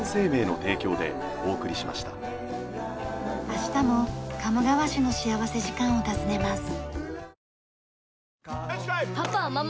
明日も鴨川市の幸福時間を訪ねます。